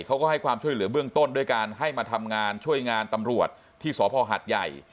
เขาก็ให้ความช่วยเหลือเบื้องต้นด้วยการให้มาทำงานช่วยงานตำรวจที่สพหัดใหญ่